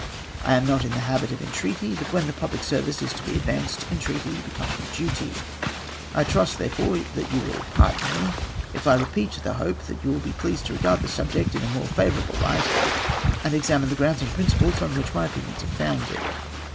I am not in the habit of entreaty, but when the public service is to be advanced entreaty becomes a duty. I trust, therefore, that you will pardon me if I repeat the hope that you will be pleased to regard the subject in a more favourable light, and examine the grounds and principles on which my opinions are founded.